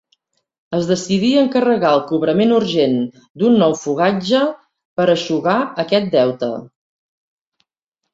Es decidí encarregar el cobrament urgent d'un nou fogatge per eixugar aquest deute.